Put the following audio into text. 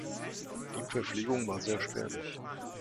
Die Verpflegung war sehr spärlich.